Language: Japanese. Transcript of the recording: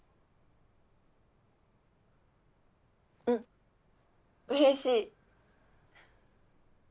うんうれしい。